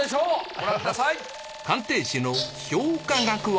ご覧ください。